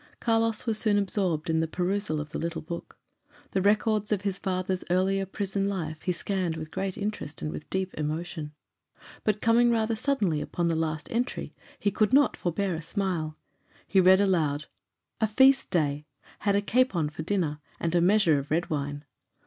Carlos was soon absorbed in the perusal of the little book. The records of his father's earlier prison life he scanned with great interest and with deep emotion; but coming rather suddenly upon the last entry, he could not forbear a smile. He read aloud: "'A feast day. Had a capon for dinner, and a measure of red wine.